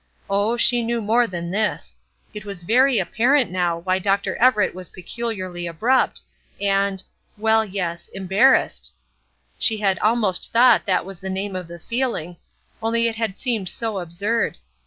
Oh, she knew more than this! It was very apparent now why Dr. Everett was peculiarly abrupt, and well, yes embarrassed. She had almost thought that was the name of the feeling, only it had seemed so absurd.